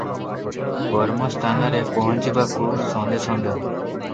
କର୍ମ ସ୍ଥାନରେ ପହଞ୍ଚିବାକୁ ସଞ୍ଜ ସଞ୍ଜ ।